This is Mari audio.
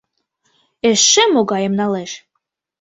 Эше могайым налеш!